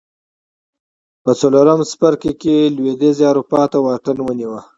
په څلورم څپرکي کې لوېدیځې اروپا واټن ونیو